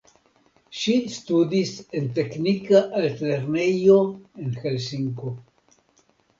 Ŝi studis en teknika altlernejo en Helsinko.